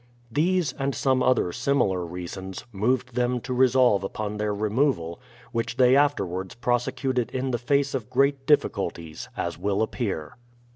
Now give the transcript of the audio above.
These, and some other similar reasons, moved them to resolve upon their removal, which they afterwards pros ecuted in the face of great difficulties, as will appear.